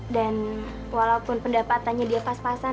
dan walaupun pendapatannya dia pas pasan